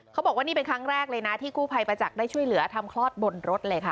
เขาบอกว่านี่เป็นครั้งแรกเลยนะที่กู้ภัยประจักษ์ได้ช่วยเหลือทำคลอดบนรถเลยค่ะ